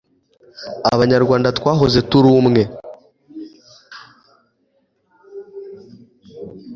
abanyarwanda twahoze turi umwe